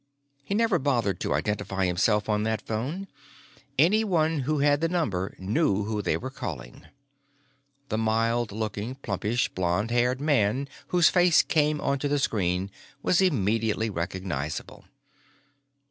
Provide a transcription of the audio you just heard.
He never bothered to identify himself on that phone; anyone who had the number knew who they were calling. The mild looking, plumpish, blond haired man whose face came onto the screen was immediately recognizable.